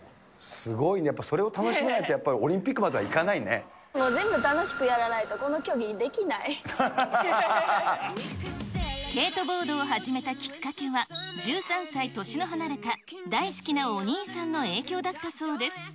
すごいね、やっぱりそれを楽しめないとやっぱりオリンピックまではいかないもう全部楽しくやらないと、スケートボードを始めたきっかけは、１３歳年の離れた大好きなお兄さんの影響だったそうです。